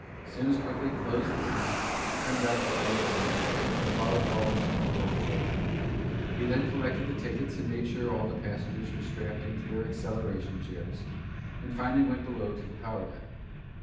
Simms quickly closed the stand, turned out the lighted sign, and followed Wallace into the old freighter. He then collected the tickets and made sure all the passengers were strapped into their acceleration chairs and finally went below to the power deck.